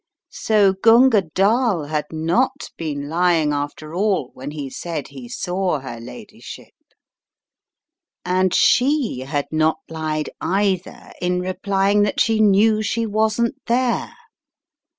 So Gunga Dall had not been lying after all when he said he saw her ladyship, and she had not lied either in replying that she knew she wasn't there.